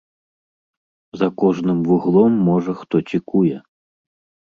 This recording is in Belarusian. За кожным вуглом, можа, хто цікуе.